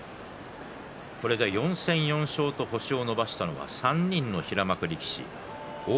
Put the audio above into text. これで４戦４勝と星を伸ばしたのは３人の平幕力士。